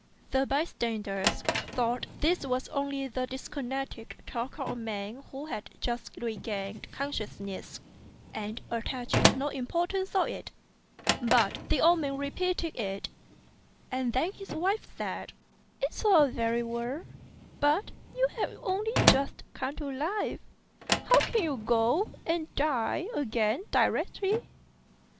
The bystanders thought this was only the disconnected talk of a man who had just regained consciousness, and attached no importance to it; but the old man re peated it, and then his wife said, " It's all very well, but you have only just come to life ; how can you go and die again directly